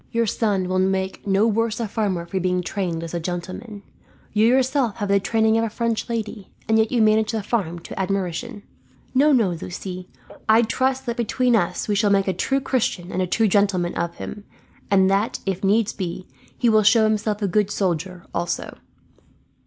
Your son will make no worse a farmer for being trained as a gentleman. You yourself have the training of a French lady, and yet you manage the farm to admiration. "No, no, Lucie, I trust that between us we shall make a true Christian and a true gentleman of him; and that, if needs be, he will show himself a good soldier, also."